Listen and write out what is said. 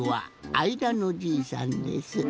あいだのじいさんです。